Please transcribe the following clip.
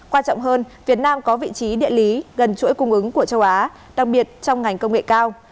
quan trọng hơn việt nam có vị trí địa lý gần chuỗi cung ứng của châu á đặc biệt trong ngành công nghệ cao